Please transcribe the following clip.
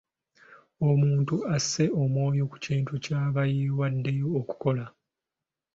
Omuntu asse omwoyo ku kintu ky'aba yeewaddeyo okukola.